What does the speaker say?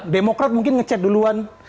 demokrat mungkin ngechat duluan